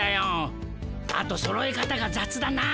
あとそろえ方がざつだなあ。